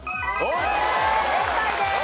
正解です。